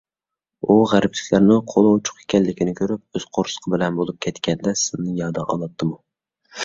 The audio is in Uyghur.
ئۇ غەربلىكلەرنىڭ قولى ئوچۇق ئىكەنلىكىنى كۆرۈپ، ئۆز قورسىقى بىلەن بولۇپ كەتكەندە سىلىنى يادىغا ئالاتتىمۇ؟